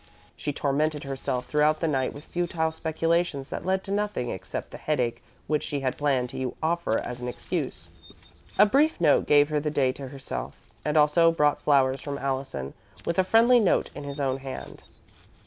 She tormented herself throughout the night with futile speculations that led to nothing except the headache which she had planned to offer as an excuse. A brief note gave her the day to herself, and also brought flowers from Allison, with a friendly note in his own hand.